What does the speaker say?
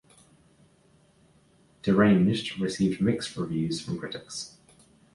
"Deranged" received mixed reviews from critics.